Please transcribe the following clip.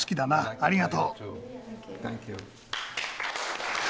ありがとう。